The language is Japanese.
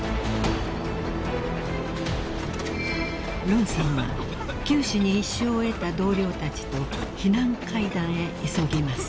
［ロンさんは九死に一生を得た同僚たちと避難階段へ急ぎます］